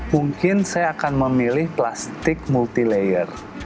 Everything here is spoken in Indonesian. mungkin saya akan memilih plastik multi layer